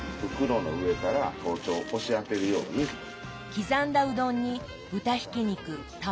刻んだうどんに豚ひき肉卵